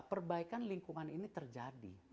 perbaikan lingkungan ini terjadi